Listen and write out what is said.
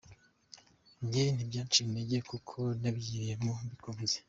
Njye ntibyanciye intege kuko nabigiyemo mbikunze.